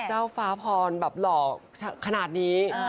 ฟ้าพรแบบหล่อขนาดนี้